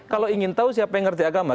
kalau ingin tahu siapa yang ngerti agama